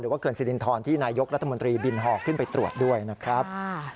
เกือนสิรินทรที่นายกรัฐมนตรีบินห่อขึ้นไปตรวจด้วยนะครับ